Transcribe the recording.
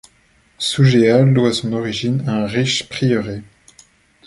Sougéal doit son origine à un riche prieuré.